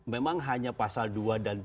memang hanya pasal dua dan tiga